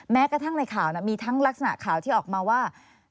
แม้กระทั่งในข่าวมีทั้งลักษณะข่าวที่ออกมาว่า